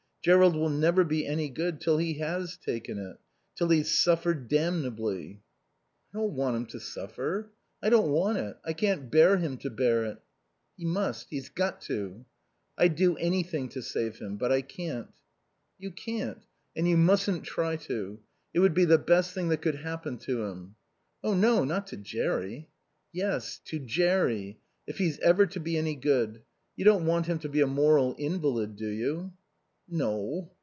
Jerrold will never be any good till he has taken it. Till he's suffered damnably." "I don't want him to suffer. I don't want it. I can't bear him to bear it." "He must. He's got to." "I'd do anything to save him. But I can't." "You can't. And you mustn't try to. It would be the best thing that could happen to him." "Oh no, not to Jerry." "Yes. To Jerry. If he's ever to be any good. You don't want him to be a moral invalid, do you?" "No...